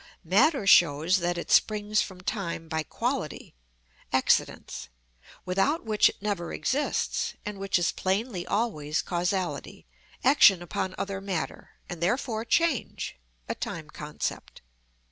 Matter shows that it springs from time by quality (accidents), without which it never exists, and which is plainly always causality, action upon other matter, and therefore change (a time concept).